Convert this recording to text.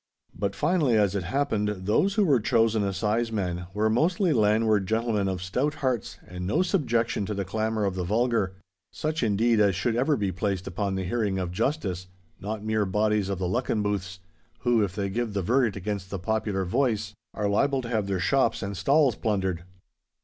But finally, as it happened, those who were chosen assize men were mostly landward gentlemen of stout hearts and no subjection to the clamour of the vulgar—such, indeed, as should ever be placed upon the hearing of justice, not mere bodies of the Luckenbooths, who, if they give the verdict against the popular voice, are liable to have their shops and stalls plundered.